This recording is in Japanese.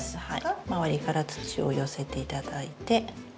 周りから土を寄せていただいて。